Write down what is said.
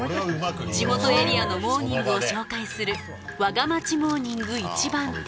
地元エリアのモーニングを紹介する「わが町モーニング一番店」